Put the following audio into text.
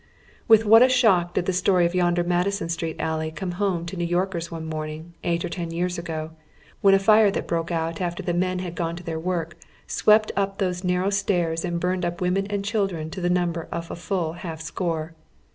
With what a sliock did the story of yonder Madison Street alley come home to New Vorkei's one morning, eight or ten years ago, when a five that broke out after the men had gone to their work swept up those narrow stairs and bunied up women and children to the number of a full half score.